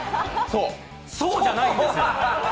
そうじゃないですよ！